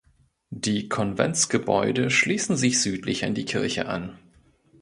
Die Konventsgebäude schließen sich südlich an die Kirche an.